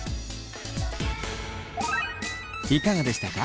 いかがでしたか？